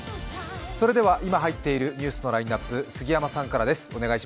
それでは今入っているニュースのラインナップ、杉山さんからです。